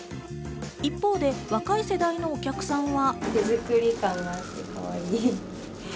一方で若い世代のお客さんは。